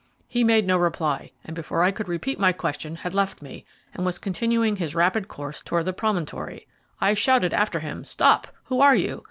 He made no reply, and before I could repeat my question had left me, and was continuing his rapid course toward the promontory. I shouted after him, 'Stop! who are you?'